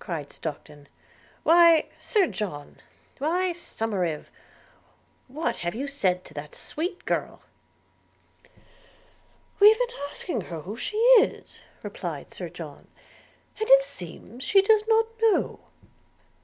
cried Stockton. 'Why, Sir John – why, Somerive, what have you said to that sweet girl?' 'We've been asking her who she is,' replied Sir John; 'and it seems she does not know.'